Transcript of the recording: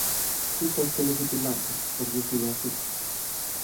Ti tes que lexitimarte, por dicilo así.